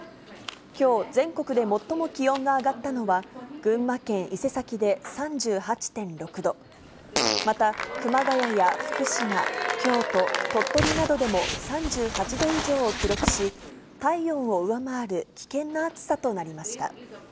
きょう、全国で最も気温が上がったのは、群馬県伊勢崎で３８．６度、また熊谷や福島、京都、鳥取などでも３８度以上を記録し、体温を上回る危険な暑さとなりました。